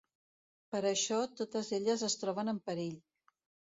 Per això, totes elles es troben en perill.